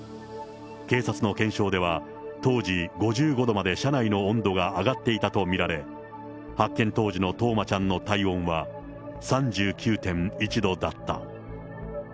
警察の検証では、当時５５度まで車内の温度が上がっていたと見られ、発見当時の冬生ちゃんの体温は３９．１度だった。